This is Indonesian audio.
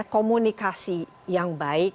komunikasi yang baik